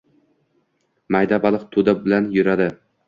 Mayda baliq toʻda bilan yuradi